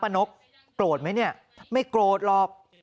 ป้านกตีโกรธไหมไม่โกรธหรอก